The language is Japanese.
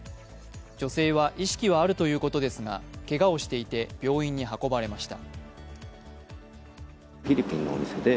女性は意識はあるということですが、けがをしていて、病院に運ばれました。